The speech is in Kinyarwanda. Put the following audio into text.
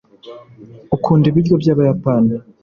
ukunda ibiryo byabayapani